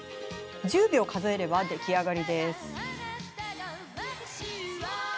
１０秒数えれば出来上がり。